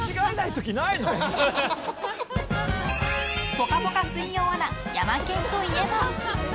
「ぽかぽか」水曜アナヤマケンといえば。